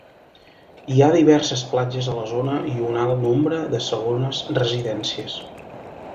Hi ha diverses platges a la zona i un alt nombre de segones residències.